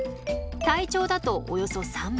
体長だとおよそ３倍。